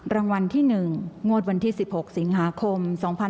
รางวัลที่๑งวดวันที่๑๖สิงหาคม๒๕๖๒